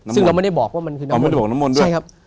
ซึ่งเราไม่ได้บอกว่ามันคือน้ำเราไม่ได้ห่วงน้ำมนต์ด้วยใช่ครับ